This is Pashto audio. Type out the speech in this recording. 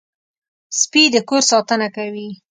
سپي د کور ساتنه کوي.